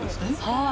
はい。